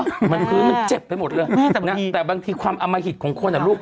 มันพื้นมันเจ็บไปหมดเลยนะแต่บางทีความอมหิตของคนอ่ะลูก